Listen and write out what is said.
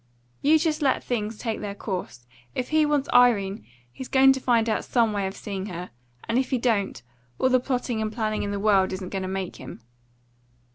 You just let things take their course. If he wants Irene, he's going to find out some way of seeing her; and if he don't, all the plotting and planning in the world isn't going to make him."